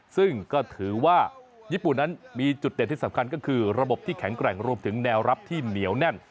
ซึ่งก็ถือว่าญี่ปุ่นนั้นมีจุดเด่นที่สำคัญก็คือระบบที่แข็งแกร่งรวมถึงแนวรับที่เหนียวแน่น